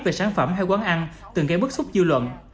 về sản phẩm hay quán ăn từng gây bức xúc dư luận